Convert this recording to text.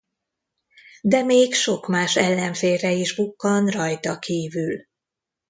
De még sok más ellenfélre is bukkan rajta kívül.